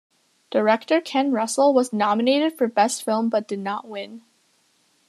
Director Ken Russell was nominated for Best Film but did not win.